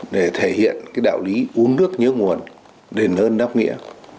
để thể hiện cái đạo lý uống nước nhớ nguồn đền ơn đáp nghĩa